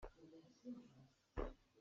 Kala nih meida an duh.